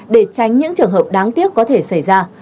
để tránh những trường hợp đáng tiếc có thể xảy ra